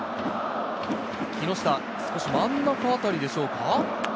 木下、少し真ん中あたりでしょうか。